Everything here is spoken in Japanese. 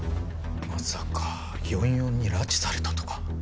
まさか４４に拉致されたとか？